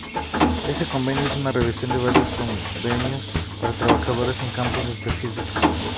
Este convenio es una revisión de varios convenios para trabajadores en campos específicos.